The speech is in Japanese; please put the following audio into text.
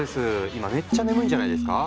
今めっちゃ眠いんじゃないですか？